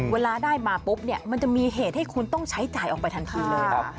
เวลาได้มาปุ๊บเนี่ยมันจะมีเหตุให้คุณต้องใช้จ่ายออกไปทันทีเลย